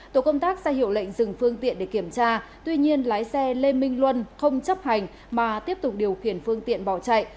tổ công tác ra hiệu lệnh dừng phương tiện để kiểm tra tuy nhiên lái xe lê minh luân không chấp hành mà tiếp tục điều khiển phương tiện bỏ chạy